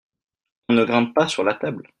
on ne grimpe pas sur la table.